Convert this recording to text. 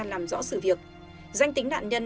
làm rõ sự việc danh tính nạn nhân